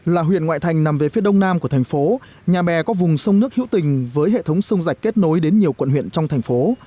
là huyện ngoại thành nằm về phía đông nam của thành phố nhà bè có vùng sông nước hữu tình với hệ thống sông rạch kết nối đến nhiều quận huyện trong thành phố